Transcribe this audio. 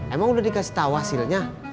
emang udah dikasih tahu hasilnya